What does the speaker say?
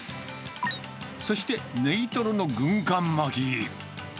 そしてネギトロの軍艦巻き。